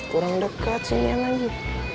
kurang dekat sini lagi